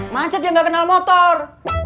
macet yang gak kenal motor